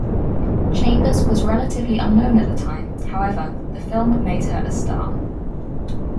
Chambers was relatively unknown at the time; however, the film made her a star.